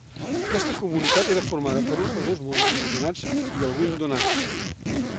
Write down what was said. Aquesta comunitat era formada per un o dos monjos ordenats i algun donat.